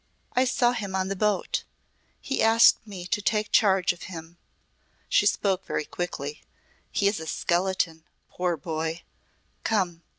I saw him on the boat. He asked me to take charge of him," she spoke very quickly. "He is a skeleton, poor boy. Come."